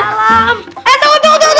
eh tunggu tunggu tunggu